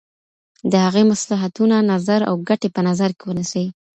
د هغې مصلحتونه، نظر او ګټي په نظر کي ونيسي.